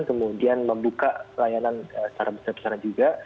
kemudian membuka layanan secara besar besaran juga